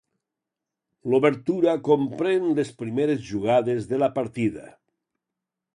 L'obertura comprén les primeres jugades de la partida.